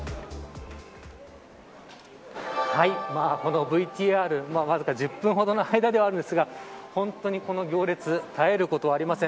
このＶＴＲわずか１０分ほどの間ではあるんですが本当にこの行列絶えることはありません。